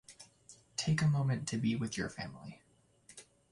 Take a moment to be with your family.